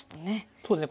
そうですね